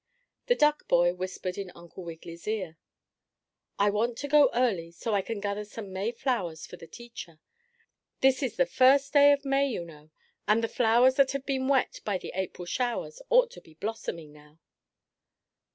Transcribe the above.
The duck boy whispered in Uncle Wiggily's ear: "I want to go early so I can gather some May flowers for the teacher. This is the first day of May, you know, and the flowers that have been wet by the April showers ought to be blossoming now."